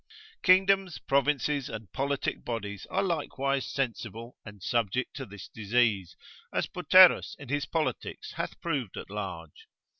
Kingdoms, provinces, and politic bodies are likewise sensible and subject to this disease, as Boterus in his politics hath proved at large.